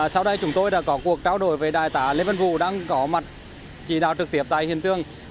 sau đây chúng tôi đã có cuộc trao đổi với đại tả lê vân vũ đang có mặt trí đạo trực tiếp tại hiện tượng